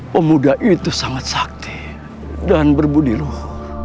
pemuda itu sangat sakti dan berbudiluh